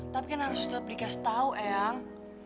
tapi kan harus sudah berikas tau eang